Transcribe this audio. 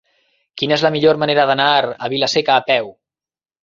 Quina és la millor manera d'anar a Vila-seca a peu?